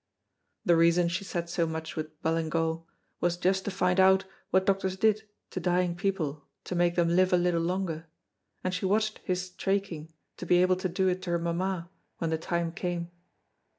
The reason she sat so much with Ballingall was just to find out what doctors did to dying people to make them live a little longer, and she watched his straiking to be able to do it to her mamma when the time came.